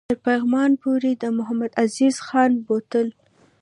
تر پغمان پوري محمدعزیز خان بوتلو.